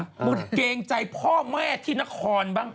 เขาว่าเกรงใจพ่อแม่ที่นครบ้าง